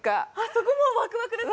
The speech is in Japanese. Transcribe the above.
そこもワクワクですね！